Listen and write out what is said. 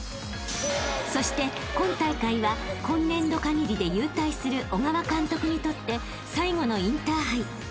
［そして今大会は今年度かぎりで勇退する小川監督にとって最後のインターハイ］